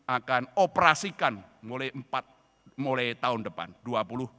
akan operasikan mulai tahun depan